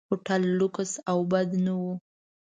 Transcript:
هوټل لکس او بد نه و.